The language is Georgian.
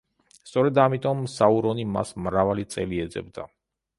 სწორედ ამიტომ საურონი მას მრავალი წელი ეძებდა.